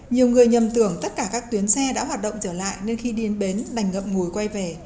nhiều người nhầm tưởng tất cả các tuyến xe đã hoạt động trở lại nên khi đi đến bến đành ngậm ngùi quay về